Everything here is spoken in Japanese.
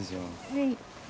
はい。